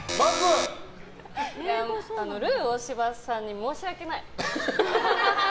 ルー大柴さんに申し訳ない。